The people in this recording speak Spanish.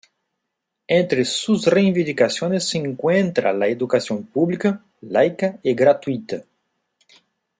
Entre sus reivindicaciones se encuentra la educación pública, laica y gratuita.